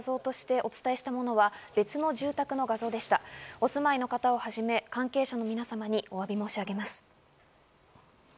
お住まいの方をはじめ関係者の皆様にお詫び申し上げます。